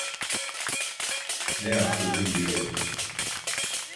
Ne yaptığını biliyorum.